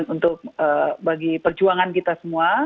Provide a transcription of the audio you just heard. untuk bagi perjuangan kita semua